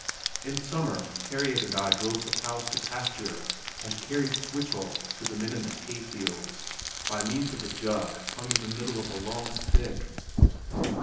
In summer Harriet and I drove the cows to pasture, and carried "switchel" to the men in the hay fields by means of a jug hung in the middle of a long stick.